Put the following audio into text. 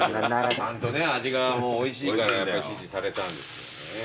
ちゃんとね味がおいしいからやっぱり支持されたんですよね。